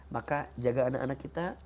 maka jaga anak anak kita